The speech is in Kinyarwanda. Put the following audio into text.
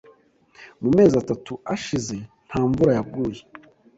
Mu mezi atatu ashize nta mvura yaguye.